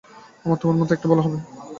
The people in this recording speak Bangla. আমাদের মতে এটা ভালো হবে।